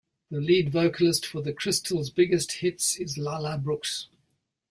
The lead vocalist for The Crystals' biggest hits is La La Brooks.